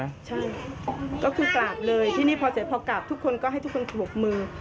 ใช่ก็คือกราบเลยที่นี่พอเสร็จพอกราบทุกคนก็ให้ทุกคนปรบมือ